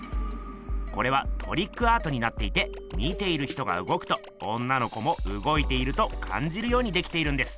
これはトリックアートになっていて見ている人がうごくと女の子もうごいているとかんじるようにできているんです。